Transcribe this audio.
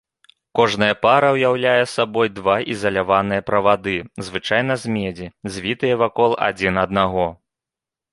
Кожная пара ўяўляе сабой два ізаляваныя правады, звычайна з медзі, звітыя вакол адзін аднаго.